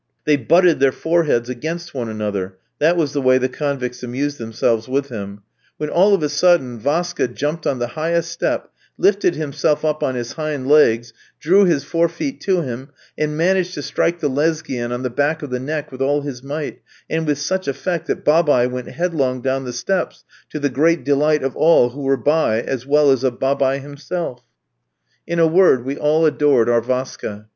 They butted their foreheads against one another that was the way the convicts amused themselves with him when all of a sudden Vaska jumped on the highest step, lifted himself up on his hind legs, drew his fore feet to him and managed to strike the Lesghian on the back of the neck with all his might, and with such effect that Babaï went headlong down the steps to the great delight of all who were by as well as of Babaï himself. In a word, we all adored our Vaska.